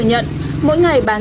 mỗi ngày bán được bao nhiêu thùng